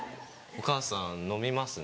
お母さん飲みますね。